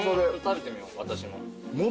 食べてみよう私も。